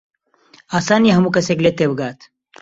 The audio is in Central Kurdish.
ئاسان نییە هەموو کەسێک لێت تێبگات.